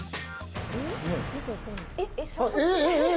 えっ？